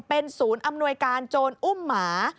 เป็นศูนย์อำนวยการโจรอุ้มหมา